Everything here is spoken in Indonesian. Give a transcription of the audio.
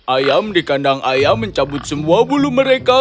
ayam di kandang ayam mencabut semua bulu mereka